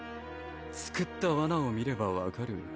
・作ったワナを見れば分かる